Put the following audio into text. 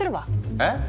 えっ？